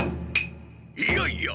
いやいや！